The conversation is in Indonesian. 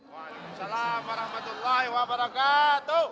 waalaikumsalam warahmatullahi wabarakatuh